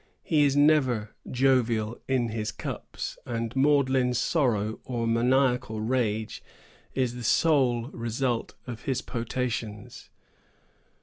He is never jovial in his cups, and maudlin sorrow or maniacal rage is the sole result of his potations.